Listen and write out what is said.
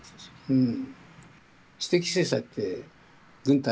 うん。